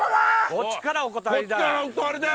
こっちからお断りだよ。